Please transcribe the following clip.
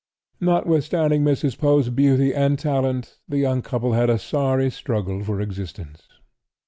Notwithstanding Mrs. Poe's beauty and talent the young couple had a sorry struggle for existence.